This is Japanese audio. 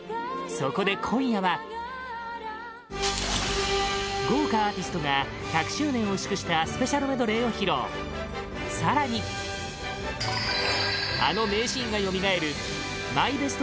そこで今夜は豪華アーティストが１００周年を祝したスペシャルメドレーを披露更に、あの名シーンがよみがえるＭＹＢＥＳＴ